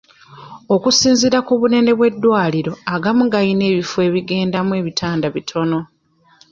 Okusinziira ku bunene bw'eddwaliro, agamu gayina ebifo ebigendamu ebitanda ebitono.